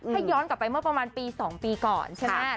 ถ้าย้อนกลับไปเมื่อประมาณปี๒ปีก่อนใช่ไหม